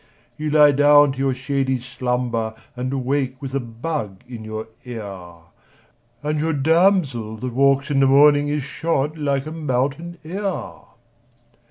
You lie down to your shady slumber And wake with a bug in your ear, And your damsel that walks in the morning Is shod like a mountaineer.